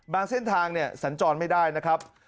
บางเส้นทางสันจรไม่ได้นะครับ